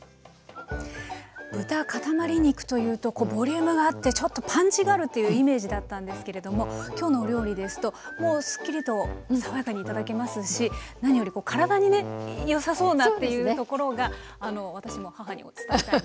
豚かたまり肉というとボリュームがあってちょっとパンチがあるっていうイメージだったんですけれども今日のお料理ですともうすっきりと爽やかに頂けますし何より体にねよさそうなっていうところが私も母にも伝えたいなと思いました。